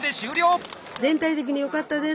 全体的に良かったです！